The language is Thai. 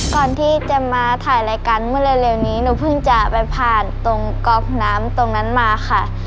ก่อนที่จะมาถ่ายรายการเมื่อเร็วนี้หนูเพิ่งจะไปผ่านตรงก๊อกน้ำตรงนั้นมาค่ะ